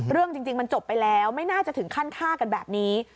เรื่องจริงมันจบไปแล้วไม่น่าจะถึงขั้นฆ่ากันแบบนี้